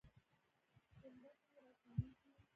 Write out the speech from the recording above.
پنبه څنګه راټولیږي؟